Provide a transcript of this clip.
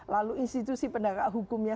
lalu institusi pendagang hukumnya